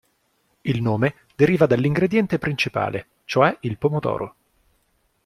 Il nome deriva dall'ingrediente principale, cioè il pomodoro.